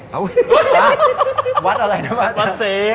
วัดอะไรนะวัดวัดเสก